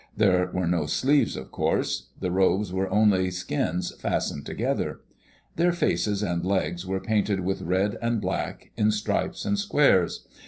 There were no sleeves of course. The robes were only skins fastened together. Their faces and legs were painted with red and black, in stripes and squares.